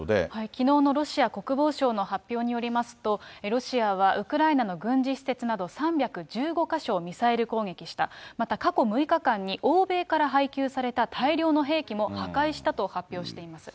きのうのロシア国防省の発表によりますと、ロシアはウクライナの軍事施設など３１５か所をミサイル攻撃した、また過去６日間に、欧米から配給された大量の兵器も破壊したと発表しています。